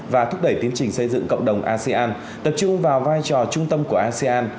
và thúc đẩy tiến trình xây dựng cộng đồng asean tập trung vào vai trò trung tâm của asean